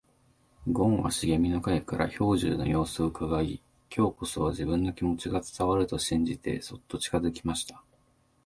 ごんは茂みの影から兵十の様子をうかがい、今日こそは自分の気持ちが伝わると信じてそっと近づきました。